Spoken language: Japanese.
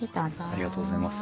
ありがとうございます。